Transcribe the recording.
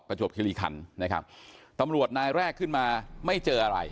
จวบคิริคันนะครับตำรวจนายแรกขึ้นมาไม่เจออะไร